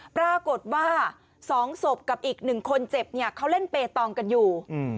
ปรากฏว่า๒ศพกับอีก๑คนเจ็บเขาเล่นเปรตองกันอยู่